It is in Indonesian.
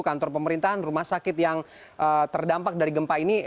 kantor pemerintahan rumah sakit yang terdampak dari gempa ini